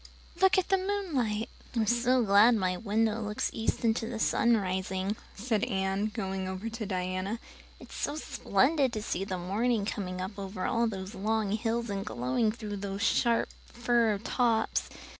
Look at the moonlight." "I'm so glad my window looks east into the sun rising," said Anne, going over to Diana. "It's so splendid to see the morning coming up over those long hills and glowing through those sharp fir tops.